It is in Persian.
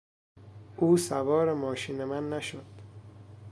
او سوار ماشین من نشد.